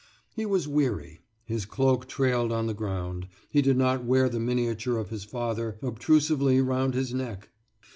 He was weary; his cloak trailed on the ground. He did not wear the miniature of his father obtrusively round his neck!